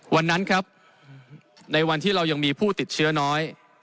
วันนั้นครับในวันที่เรายังมีผู้ติดเชื้อน้อย